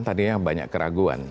tadi banyak keraguan